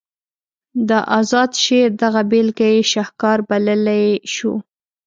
د اذاد شعر دغه بیلګه یې شهکار بللی شو.